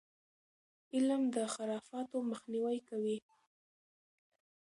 علم د خرافاتو مخنیوی کوي.